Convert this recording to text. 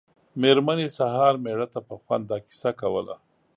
مېرمنې سهار مېړه ته په خوند دا کیسه کوله.